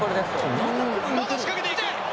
まだ仕掛けていく！